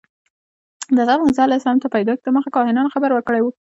د حضرت موسی علیه السلام تر پیدایښت دمخه کاهنانو خبر ورکړی و.